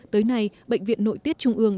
tới nay bệnh viện nội tiết trung ương